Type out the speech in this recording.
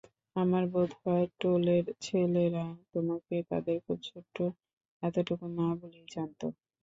আমার বোধ হয় টোলের ছেলেরা তোমাকে তাদের খুব ছোট্টো এতটুকু মা বলেই জানত।